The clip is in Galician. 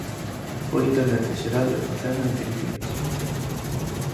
Foi Intendente xeral de Facenda en Filipinas.